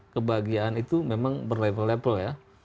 kebahagiaan itu memang berlevel level ya